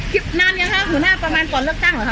คลิปหน้าเนี่ยค่ะหมู่หน้าประมาณตอนเลิกตั้งเหรอคะ